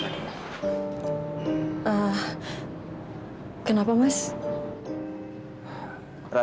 terima kasih pak aditya